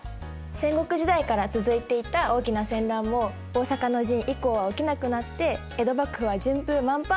戦国時代から続いていた大きな戦乱も大坂の陣以降は起きなくなって江戸幕府は順風満帆って感じだったよね。